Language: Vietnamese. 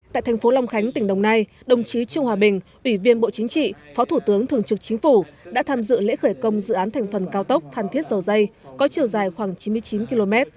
tại thành phố long khánh tỉnh đồng nai đồng chí trung hòa bình ủy viên bộ chính trị phó thủ tướng thường trực chính phủ đã tham dự lễ khởi công dự án thành phần cao tốc phan thiết dầu dây có chiều dài khoảng chín mươi chín km